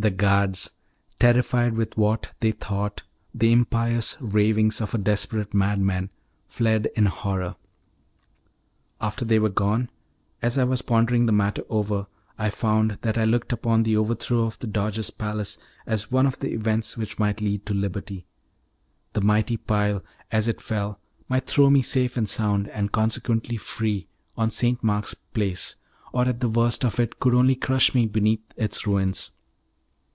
The guards, terrified with what they thought the impious ravings of a desperate madman, fled in horror. After they were gone, as I was pondering the matter over, I found that I looked upon the overthrow of the Doge's palace as one of the events which might lead to liberty; the mighty pile, as it fell, might throw me safe and sound, and consequently free, on St. Mark's Place, or at the worst it could only crush me beneath its ruins.